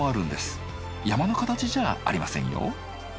山の形じゃありませんよ。